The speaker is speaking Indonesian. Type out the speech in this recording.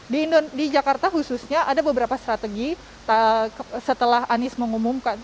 di jakarta khususnya ada beberapa strategi setelah anies mengumumkan